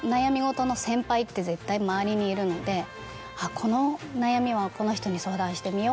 この悩みはこの人に相談してみよう。